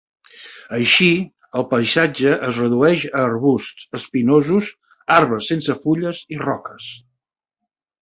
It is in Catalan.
Així, el paisatge es redueix a arbusts espinosos, arbres sense fulles i roques.